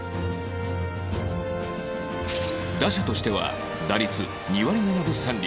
打者としては打率２割７分３厘